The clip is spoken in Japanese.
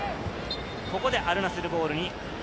ここでアルナスルボールに。